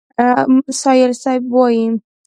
سایل صیب وایي: